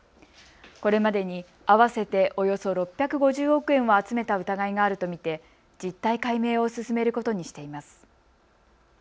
これまでに合わせておよそ６５０億円を集めた疑いがあると見て実態解明を進めることにしています。